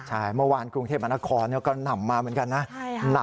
ใช่เมื่อวานกรุงเทพมนครก็นำมาเหมือนกันนะ